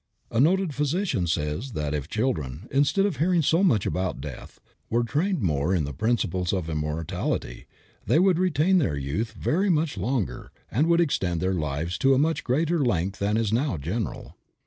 A noted physician says that if children, instead of hearing so much about death, were trained more in the principles of immortality, they would retain their youth very much longer, and would extend their lives to a much greater length than is now general.